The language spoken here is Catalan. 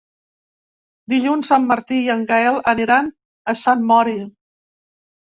Dilluns en Martí i en Gaël aniran a Sant Mori.